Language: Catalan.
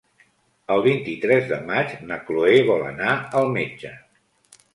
El vint-i-tres de maig na Chloé vol anar al metge.